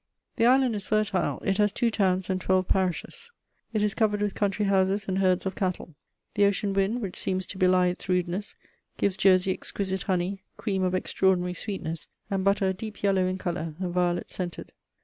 _ The island is fertile: it has two towns and twelve parishes; it is covered with country houses and herds of cattle. The ocean wind, which seems to belie its rudeness, gives Jersey exquisite honey, cream of extraordinary sweetness, and butter deep yellow in colour and violet scented.